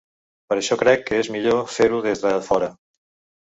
Per això crec que és millor fer-ho des de fora.